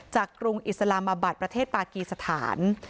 กรุงอิสลามบัตรประเทศปากีสถาน